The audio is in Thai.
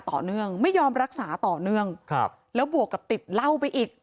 ต่อเนื่องไม่ยอมรักษาต่อเนื่องครับแล้วบวกกับติดเหล้าไปอีก